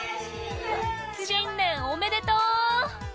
新年おめでとう！